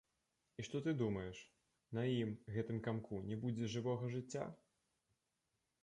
І што ты думаеш, на ім, гэтым камку, не будзе жывога жыцця?